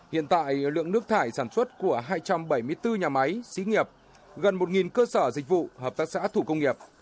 hiện tại lượng nước thải sản xuất của hai trăm bảy mươi bốn nhà máy xí nghiệp gần một cơ sở dịch vụ hợp tác xã thủ công nghiệp